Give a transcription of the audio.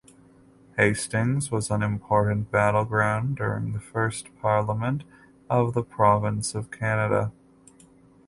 Hastings was an important battleground during the first Parliament of the Province of Canada.